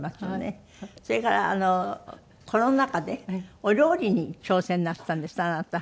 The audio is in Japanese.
それからコロナ禍でお料理に挑戦なすったんですってあなた。